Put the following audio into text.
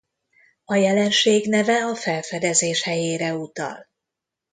A jelenség neve a felfedezés helyére utal.